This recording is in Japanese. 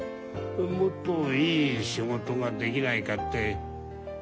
もっといい仕事ができないかっていつも明日